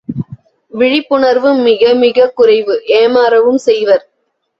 விழிப்புணர்வு மிகமிகக் குறைவு ஏமாறவும் செய்வர்.